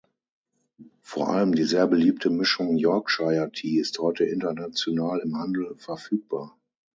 Vor allem die sehr beliebte Mischung ""Yorkshire Tea"" ist heute international im Handel verfügbar.